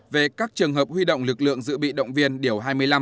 về các trường hợp huy động lực lượng dự bị động viên điều hai mươi năm